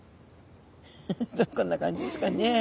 ヘヘヘこんな感じですかね。